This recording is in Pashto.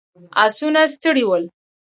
آسونه ستړي ول.